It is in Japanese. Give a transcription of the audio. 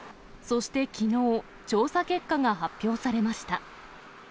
そしてきのう、調査結果が発表されました。